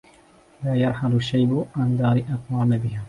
لا يرحل الشيب عن دار أقام بها